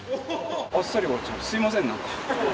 すいませんなんか。